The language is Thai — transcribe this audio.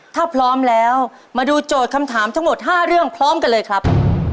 ถ้าพร้อมแล้วมาดูโจทย์คำถามทั้งหมด๕เรื่องพร้อมกันเลยครับ